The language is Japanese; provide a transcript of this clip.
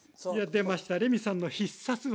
出ましたレミさんの必殺技！